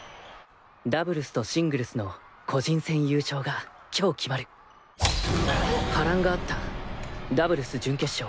ダブルスとシングルスの個人戦優勝が今日決まる波乱があったダブルス準決勝